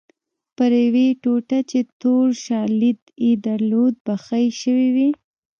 پر یوې ټوټه چې تور شالید یې درلود بخۍ شوې وې.